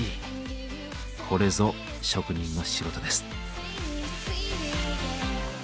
これぞ職人の仕事です。